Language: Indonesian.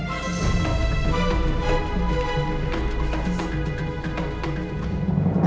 ya dia aja